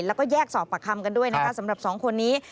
แล้วก็แยกสอบปากคำกันด้วยนะคะสำหรับสองคนนี้